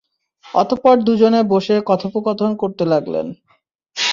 অতঃপর দুজনে বসে কথোপকথন করতে লাগলেন।